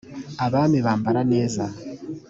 abami bambaraneza.